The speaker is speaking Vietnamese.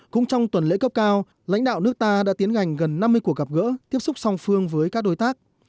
cũng trong tuần lễ cấp cao lãnh đạo nước ta đã tiến hành gần năm mươi cuộc gặp gỡ tiếp xúc song phương với các đối tác